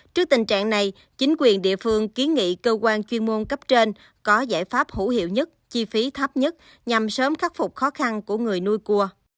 trước tình trạng này chính quyền địa phương kiến nghị cơ quan chuyên môn cấp trên có giải pháp hữu hiệu nhất chi phí thấp nhất nhằm sớm khắc phục khó khăn của người nuôi cua